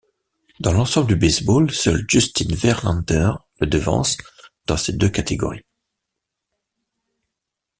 Dans l'ensemble du baseball, seul Justin Verlander le devance dans ces deux catégories.